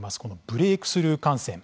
ブレークスルー感染。